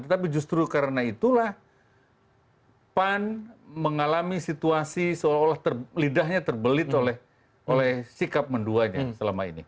tetapi justru karena itulah pan mengalami situasi seolah olah lidahnya terbelit oleh sikap menduanya selama ini